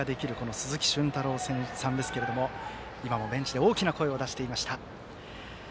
鈴木駿太郎さんですけれども今もベンチで大きな声を出していました。